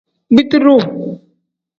Biti duu.